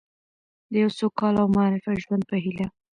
د یو سوکاله او مرفه ژوند په هیله.